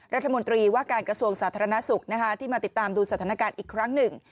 รัฐมนตรีว่าการกระทรวงสาธารณสุขที่มาติดตามดูสถานการณ์อีกครั้งหนึ่ง